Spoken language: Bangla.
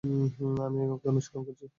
আমি ওকে অনুসরণ করছি।